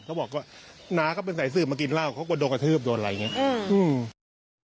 เขาบอกว่าน้าก็เป็นใส่ซืมมากินเหล้าเค้าก็โดนกระทืบโดนไหลอย่างนี้